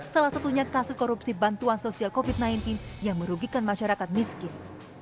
salah satunya kasus korupsi bantuan sosial covid sembilan belas yang merugikan masyarakat miskin